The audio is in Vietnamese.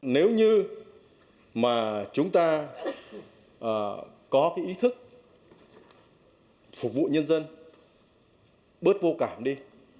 nếu như mà chúng ta có cái ý thức phục vụ nhân dân bớt vô cảm đi